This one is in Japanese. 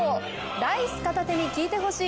ライス片手に聞いて欲しい。